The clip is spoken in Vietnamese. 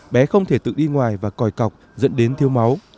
bé không thể tự đi ngoài và còi cọc dẫn đến thiếu máu